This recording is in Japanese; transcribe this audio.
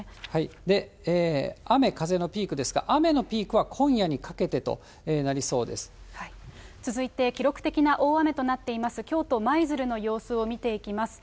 で、雨風のピークですが、雨のピークは今夜にかけてとなりそ続いて、記録的な大雨となっています、京都・舞鶴の様子を見ていきます。